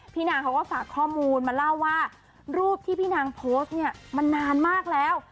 พี่นางเขาก็ฝากข้อมูลมาเล่าว่ารูปที่พี่นางโพสต์เนี่ยมันนานมากแล้ว